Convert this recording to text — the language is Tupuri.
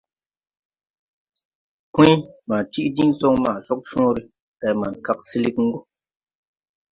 Pũy: «Ma tiʼ diŋ soŋ ma Cogcõõre, day Mankag silig gɔ.».